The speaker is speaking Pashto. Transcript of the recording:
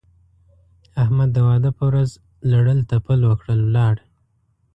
احمد د واده په ورځ لړل تپل وکړل؛ ولاړ.